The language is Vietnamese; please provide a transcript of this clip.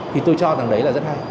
thì tôi cho rằng đấy là rất hay